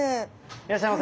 いらっしゃいませ。